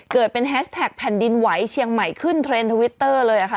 เกิดเป็นแฮชแท็กแผ่นดินไหวเชียงใหม่ขึ้นเทรนด์ทวิตเตอร์เลยค่ะ